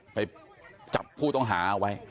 มีภาพวงจรปิดอีกมุมหนึ่งของตอนที่เกิดเหตุนะฮะ